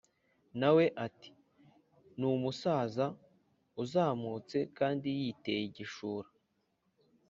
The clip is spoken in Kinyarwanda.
na we ati “ni umusaza uzamutse kandi yiteye igishura”